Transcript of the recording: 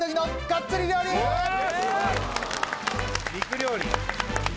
肉料理